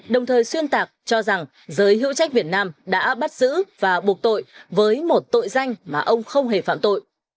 đồng thời xuyên tạc cho rằng giới hữu trách việt nam đã bắt giữ và buộc tội với một tội danh mà ông không hề phạm tội